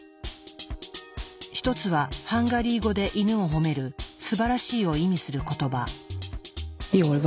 一つはハンガリー語でイヌを褒める「すばらしい」を意味する言葉。